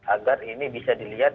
agar ini bisa dilihat